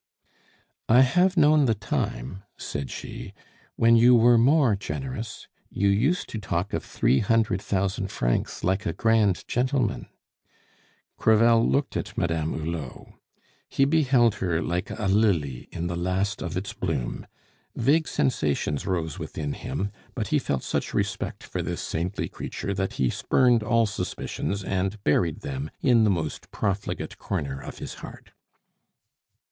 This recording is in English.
"I have known the time," said she, "when you were more generous you used to talk of three hundred thousand francs like a grand gentleman " Crevel looked at Madame Hulot; he beheld her like a lily in the last of its bloom, vague sensations rose within him, but he felt such respect for this saintly creature that he spurned all suspicions and buried them in the most profligate corner of his heart.